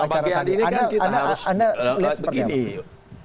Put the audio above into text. bagi hadirin kita harus lihat seperti apa